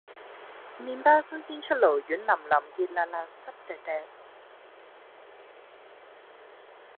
麵包新鮮出爐軟腍腍熱辣辣濕 𣲷𣲷